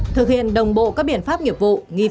thực hiện đồng bộ các biện pháp nghiệp vụ